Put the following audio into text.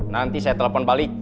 nanti saya telepon balik